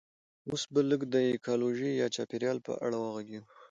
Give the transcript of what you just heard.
اوس به لږ د ایکولوژي یا چاپیریال په اړه وغږیږو